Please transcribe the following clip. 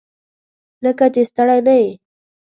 لکه چې ستړی نه یې؟